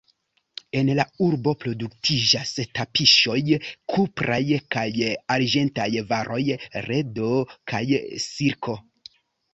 En la urbo produktiĝas tapiŝoj, kupraj kaj arĝentaj varoj, ledo kaj silko.